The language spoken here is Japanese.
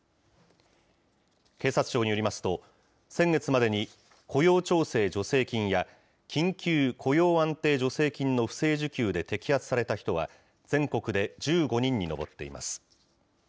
警察庁によりますと、先月までに雇用調整助成金や、緊急雇用安定助成金の不正受給で摘発された人は、全国で１５人に上っています。